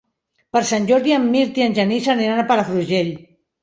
Per Sant Jordi en Mirt i en Genís aniran a Palafrugell.